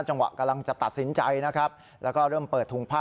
จังหวะกำลังจะตัดสินใจนะครับแล้วก็เริ่มเปิดถุงผ้า